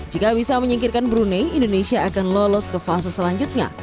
jika bisa menyingkirkan brunei indonesia akan lolos ke fase selanjutnya